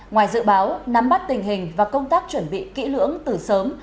ngoài dự báo nắm bắt tình hình và công tác chuẩn bị kỹ lưỡng từ sớm